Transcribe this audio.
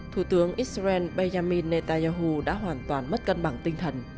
thủ tướng israel benjamin netanyahu đã hoàn toàn mất cân bằng tinh thần